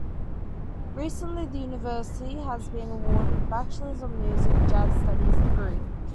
Recently the university has been awarded a bachelors in music- jazz studies degree.